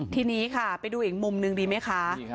ทีนี้ค่ะไปดูอีกมุมหนึ่งดีไหมคะ